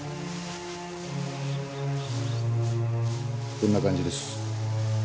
こんな感じです。